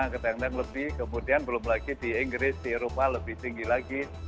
kadang kadang lebih kemudian belum lagi di inggris di eropa lebih tinggi lagi